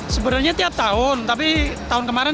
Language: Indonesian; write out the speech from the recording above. sebenarnya tiap tahun tapi tahun kemarin